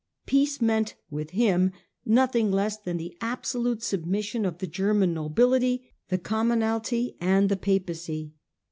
Peace meant, with him, nothing less than the absolute submission of the German nobility, the com monalty, and the Papacy.